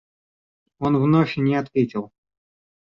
Он вновь не ответил.